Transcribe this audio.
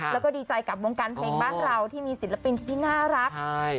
แล้วก็ดีใจกับวงการเพลงบ้านเราที่มีศิลปินที่น่ารัก